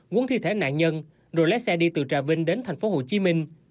quấn thi thể nạn nhân rồi lái xe đi từ trà binh đến thành phố hồ chí minh